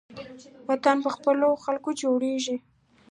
وطن په خپلو خلکو جوړیږي